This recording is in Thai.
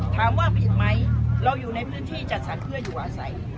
ถามฝีตไหมเราอยู่ในพื้นที่จัดสรรเพื่อชูอาใส